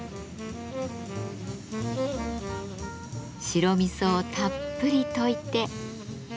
白味噌をたっぷり溶いて。